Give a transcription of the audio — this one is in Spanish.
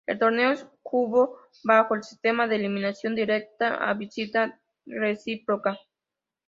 El torneo se jugó bajo el sistema de eliminación directa a visita recíproca.